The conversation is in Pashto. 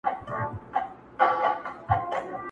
ځيني يې هنر بولي ډېر لوړ,